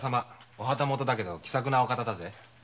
お旗本だけど気さくなお方だぜ。